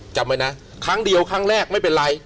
จำไว้นะครั้งเดียวครั้งแรกไม่เป็นไร